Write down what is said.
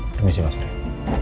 permisi mas reng